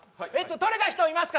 取れた人いますか？